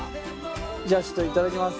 じゃあちょっと頂きます。